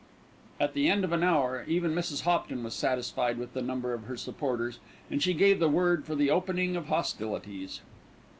At the end of an hour, even Mrs. Hopton was satisfied with the number of her supporters, and she gave the word for the opening of hostilities.